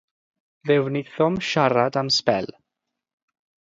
Fe wnaethom siarad am sbel.